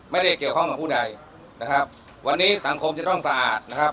ไม่ได้เกี่ยวข้องกับผู้ใดนะครับวันนี้สังคมจะต้องสะอาดนะครับ